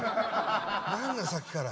何ださっきから。